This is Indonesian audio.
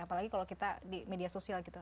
apalagi kalau kita di media sosial gitu